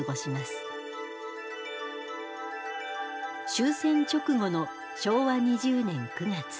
終戦直後の昭和２０年９月。